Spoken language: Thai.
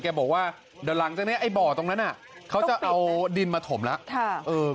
บอกว่าเดี๋ยวหลังจากนี้ไอ้บ่อตรงนั้นเขาจะเอาดินมาถมแล้ว